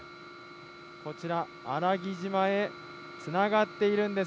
こちら、あらぎ島へつながっているんです。